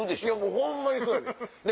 ホンマにそうやで。